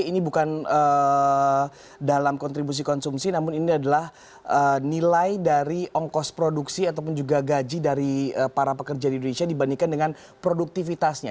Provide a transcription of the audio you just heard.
ini bukan dalam kontribusi konsumsi namun ini adalah nilai dari ongkos produksi ataupun juga gaji dari para pekerja di indonesia dibandingkan dengan produktivitasnya